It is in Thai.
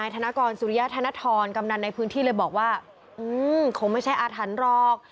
ทสุริยทธนธรณ์กำหนังในพื้นที่เลยบอกว่าอือมคงไม่ใช่อาถรรภ์หรอก